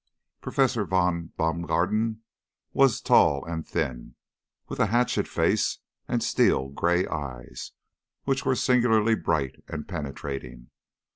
Professor von Baumgarten was tall and thin, with a hatchet face and steel grey eyes, which were singularly bright and penetrating.